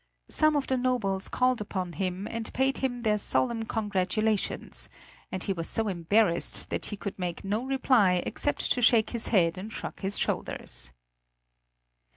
Some of the nobles called upon him and paid him their solemn congratulations, and he was so embarrassed that he could make no reply except to shake his head and shrug his shoulders.